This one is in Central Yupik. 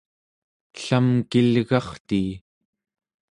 ellam kilgartii